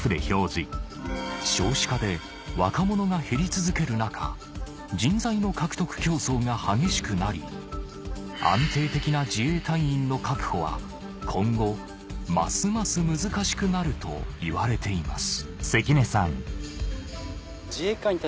少子化で若者が減り続ける中人材の獲得競争が激しくなり安定的な自衛隊員の確保は今後ますます難しくなるといわれています